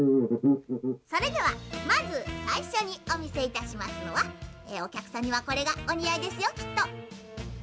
それではまずさいしょにおみせいたしますのはおきゃくさんにはこれがおにあいですよきっと」。